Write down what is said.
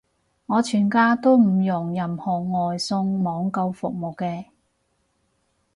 我全家都唔用任何外送網購服務嘅